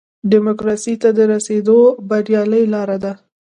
ډیموکراسۍ ته د رسېدو بریالۍ لاره ده.